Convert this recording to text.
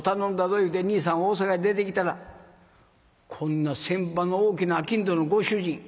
言うて兄さん大坂へ出てきたらこんな船場の大きな商人のご主人。